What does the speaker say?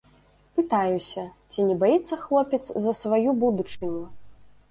Пытаюся, ці не баіцца хлопец за сваю будучыню.